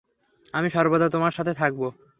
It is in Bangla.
আমি সর্বদা তোমার সাথে থাকবো।